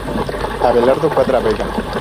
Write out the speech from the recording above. Abelardo Cuadra Vega.